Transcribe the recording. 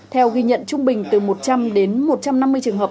theo ghi nhận trung bình từ một trăm linh đến một trăm năm mươi trường hợp